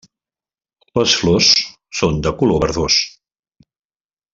Les flors són de color verdós.